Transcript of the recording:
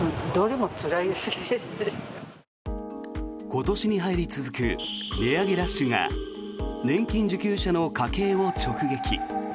今年に入り続く値上げラッシュが年金受給者の家計を直撃。